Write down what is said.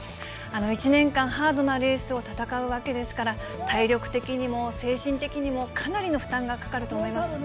一年間、ハードなレースを戦うわけですから、体力的にも精神的にもかなりの負担がかかると思います。